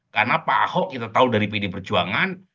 karena pak ahok kita tahu dari pd perjuangan